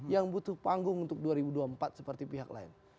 yang butuh panggung untuk dua ribu dua puluh empat seperti pihak lain